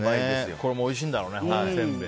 これもおいしいんだろうね。